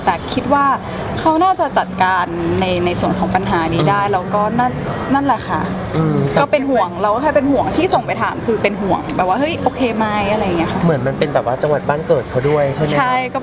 แต่คิดว่าเขาหน้าจะจัดการในส่วนของปัญหานี้ได้